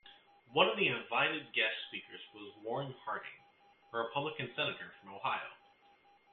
One of his invited guest speakers was Warren Harding, a Republican Senator from Ohio.